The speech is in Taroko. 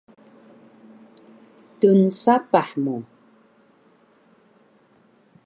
Tnsapah mu